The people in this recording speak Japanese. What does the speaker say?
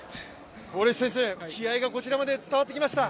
ウォルシュ選手、気合いがこちらまで伝わってきました。